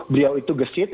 beliau itu gesit